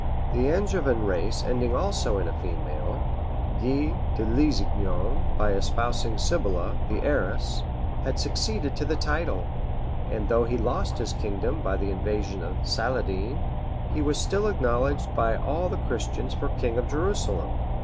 The Anjevan race ending also in a female, Guy de Lusignan, by espousing Sibylla, the heiress, had succeeded to the title; and though he lost his kingdom by the invasion of Saladin, he was still acknowledged by all the Christians for king of Jerusalem.